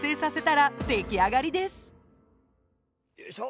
よいしょ。